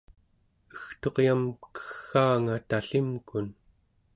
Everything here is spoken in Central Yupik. egturyam keggaanga tallimkun